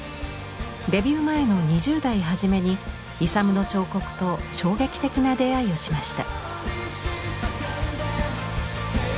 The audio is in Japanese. デビュー前の２０代初めにイサムの彫刻と衝撃的な出会いをしました。